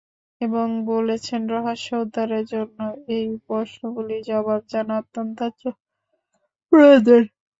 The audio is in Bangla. এবং বলছেন-রহস্য উদ্ধারের জন্যে এই প্রশ্নগুলির জবাব জানা অত্যন্ত প্রয়োজন।